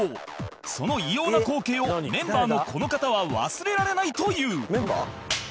その異様な光景をメンバーのこの方は忘れられないという